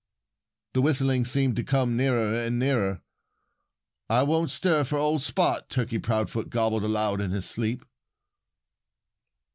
The whistling seemed to come nearer and nearer. "I won't stir for old Spot," Turkey Proudfoot gobbled aloud in his sleep.